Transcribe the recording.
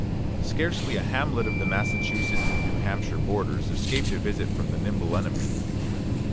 Scarcely a hamlet of the Massachusetts and New Hampshire borders escaped a visit from the nimble enemy.